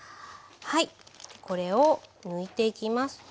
はいこれを抜いていきます。